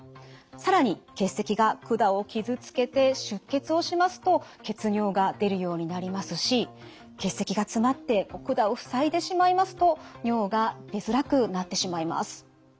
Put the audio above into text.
更に結石が管を傷つけて出血をしますと血尿が出るようになりますし結石が詰まって管を塞いでしまいますと尿が出づらくなってしまいます。